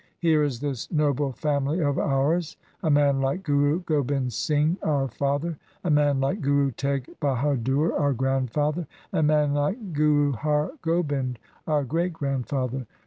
Here is this noble family of ours — a man like Guru Gobind Singh our father, a man like Guru Teg Bahadur our grand father, a man like Guru Har Gobind our great grandfather.